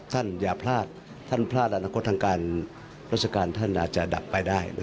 อย่าพลาดท่านพลาดอนาคตทางการราชการท่านอาจจะดับไปได้